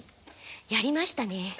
やりましたね。